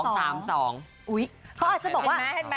เห็นไหม